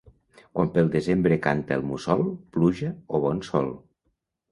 Quan pel desembre canta el mussol, pluja o bon sol.